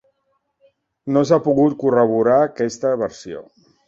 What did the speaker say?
No s'ha pogut corroborar aquesta versió.